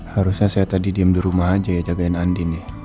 harusnya saya tadi diem di rumah aja ya jagain andi nih